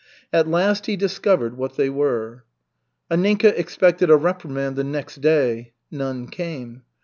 At last he discovered what they were. Anninka expected a reprimand the next day. None came.